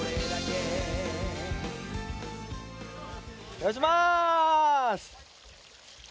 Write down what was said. お願いします！